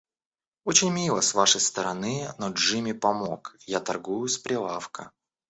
Очень мило с вашей стороны, но Джимми помог, я торгую с прилавка.